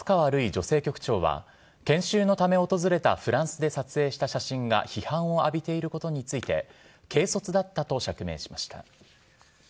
女性局長は、研修のため訪れたフランスで撮影した写真が批判を浴びていることについて、軽率だったと釈明しました。